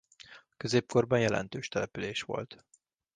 A középkorban jelentős település volt.